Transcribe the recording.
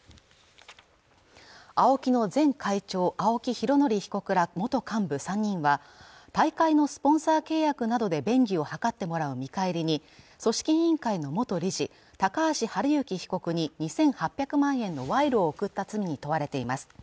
ＡＯＫＩの前会長青木拡憲被告ら元幹部３人は大会のスポンサー契約などで便宜を図ってもらう見返りに組織委員会の元理事高橋治之被告に２８００万円の賄賂を贈った罪に問われています